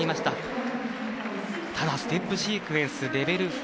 ただ、ステップシークエンスはレベル４。